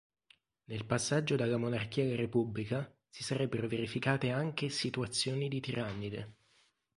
Nel passaggio dalla Monarchia alla Repubblica si sarebbero verificate anche situazioni di tirannide.